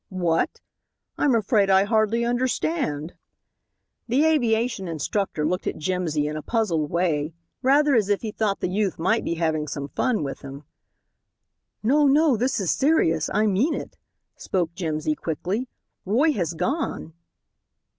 "What? I'm afraid I hardly understand." The aviation instructor looked at Jimsy in a puzzled way, rather as if he thought the youth might be having some fun with him. "No, no, this is serious. I mean it," spoke Jimsy quickly. "Roy has gone!"